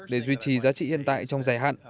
để duy trì giá trị hiện tại trong dài hạn